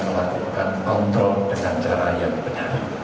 dan kami akan melakukan kontrol dengan cara yang benar